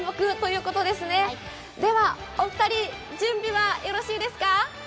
ではお二人、準備はよろしいですか？